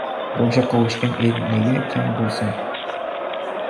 Boshi qovushgan el nega kam bo‘lsin?!